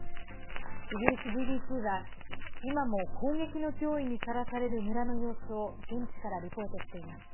イギリスＢＢＣは今も砲撃の脅威にさらされる村の様子を現地からリポートしています。